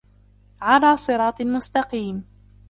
عَلَى صِرَاطٍ مُسْتَقِيمٍ